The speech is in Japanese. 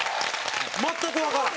全くわからん！